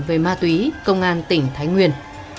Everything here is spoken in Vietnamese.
về ma túy công an tỉnh thái nguyên